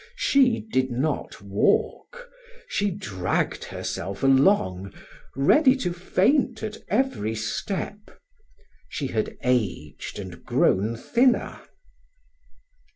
She did not walk; she dragged herself along, ready to faint at every step. She had aged and grown thinner.